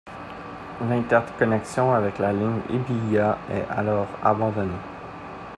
L'interconnexion avec la ligne Hibiya est alors abandonnée.